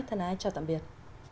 thân hải chào tạm biệt